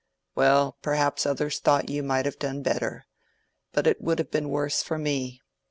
"Well, perhaps others thought you might have done better. But it would have been worse for me.